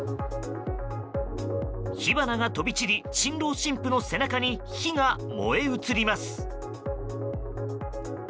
火花が飛び散り新郎新婦の背中に火が燃え移ります。